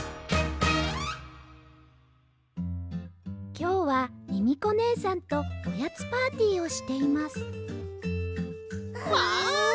きょうはミミコねえさんとおやつパーティーをしていますわあ！